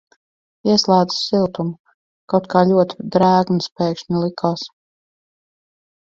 Ieslēdzu siltumu, kaut kā ļoti drēgns pēkšņi likās.